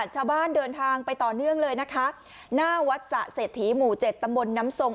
ชาวบ้านเดินทางไปต่อเนื่องเลยนะคะหน้าวัดสะเศรษฐีหมู่เจ็ดตำบลน้ำทรง